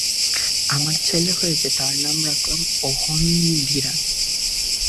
আমার ছেলে হয়েছে তার নাম রাখলাম ওহনধীরান।